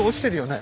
ね